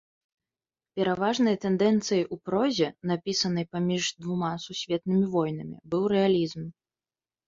Пераважнай тэндэнцыяй у прозе, напісанай паміж двума сусветнымі войнамі быў рэалізм.